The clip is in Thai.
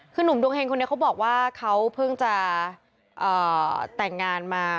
คือหนุ่มดวงเฮงคนนี้เขาบอกว่าเขาเพิ่งจะแต่งงานมา